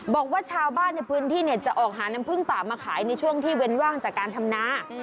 บอกว่าชาวบ้านในพื้นที่จะออกหาน้ำพึ่งป่ามาขายในช่วงที่เว้นว่างจากการทำนา